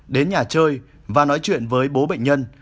đến nhà chơi và nói chuyện với bố bệnh nhân